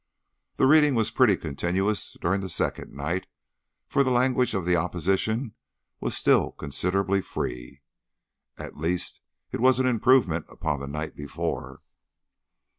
The reading was pretty continuous during that second night, for the language of the opposition was still considerably free. At least it was an improvement upon the night before.